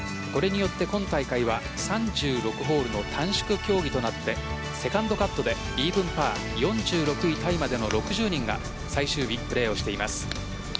これによって今大会は３６ホールの短縮競技となってセカンドカットでイーブンパー４６位タイまでの６０人が最終日、プレーをしています。